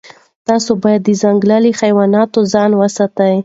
تاسي باید د ځنګل له حیواناتو ځان وساتئ.